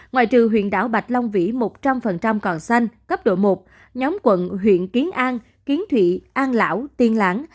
ngoại trừ huyện đảo bạch long vĩ một trăm linh còn xanh cấp độ một nhóm quận huyện kiến an kiến thụy an lão tiên lãng